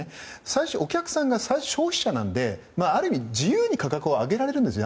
最初、お客さんが消費者なのである意味、価格を自由に上げられるんです。